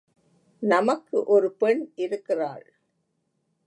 நமக்கு ஒரு பெண் இருக்கிறாள்.